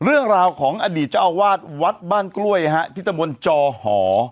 เรื่องราวของอดีตเจ้าวาดวัดบ้านกล้วยที่มาบนจอห